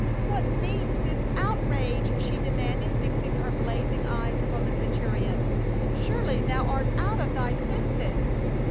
"What means this outrage ?" she demanded, fixing her blazing eyes upon the centurion. *• Surely thou art out of thy senses."